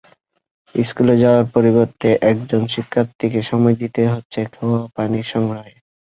স্কুলে যাওয়ার পরিবর্তে একজন শিক্ষার্থীকে সময় দিতে হচ্ছে খাওয়ার পানি সংগ্রহে।